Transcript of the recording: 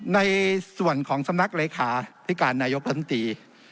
ในส่วนของสำนักเลขาธิการนายกรัฐมนตรี